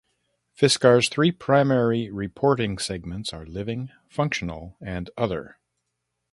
Fiskars' three primary reporting segments are Living, Functional and Other.